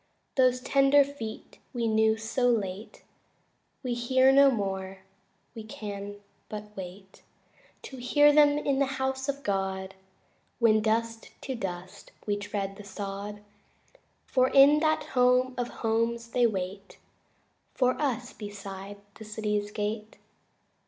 Those tender feet we knew so late We hear no more; we can but wait To hear them in the House of God When dust to dust we tread the sod, For in that home of homes they wait For us beside the city's gate.